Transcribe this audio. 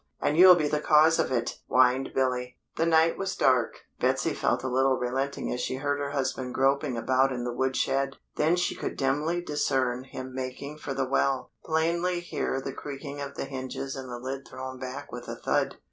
And you'll be the cause of it!" whined Billy. The night was dark. Betsy felt a little relenting as she heard her husband groping about in the wood shed. Then she could dimly discern him making for the well; plainly hear the creaking of the hinges and the lid thrown back with a thud.